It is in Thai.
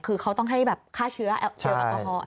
คือเขาต้องให้แบบฆ่าเชื้อเอาจิวออก